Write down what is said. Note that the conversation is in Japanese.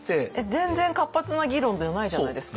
全然活発な議論じゃないじゃないですか。